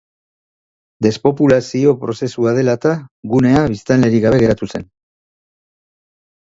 Despopulazio-prozesua dela-eta gunea biztanlerik gabe geratu zen.